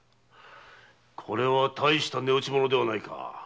これは大した値打ちものではないか。